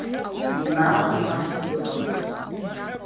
Ималгьы маҷны дыҟамызт.